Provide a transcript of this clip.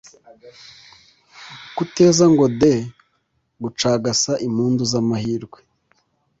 Kuteza ngo de gucagasa impundu z'amahirwe.